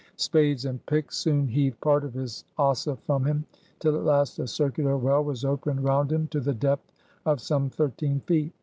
Spades and picks soon heaved part of his Ossa from him, till at last a circular well was opened round him to the depth of some thirteen feet.